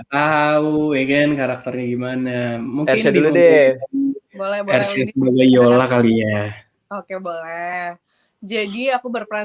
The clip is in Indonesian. tahu igen karakternya gimana mungkin dulu deh boleh boleh yola kali ya oke boleh jadi aku berperan